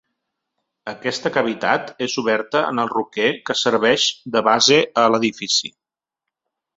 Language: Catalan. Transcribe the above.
Aquesta cavitat és oberta en el roquer que serveix de base a l'edifici.